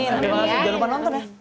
terima kasih juga buat nonton ya